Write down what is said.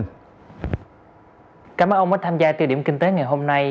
cảm ơn ông đã tham gia tiêu điểm kinh tế ngày hôm nay